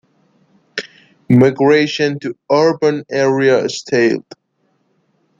Migration to urban areas stalled.